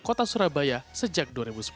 kota surabaya sejak dua ribu sepuluh